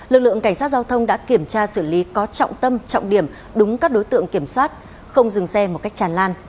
lực lượng cảnh sát giao thông đã kiểm tra xử lý có trọng tâm trọng điểm đúng các đối tượng kiểm soát không dừng xe một cách tràn lan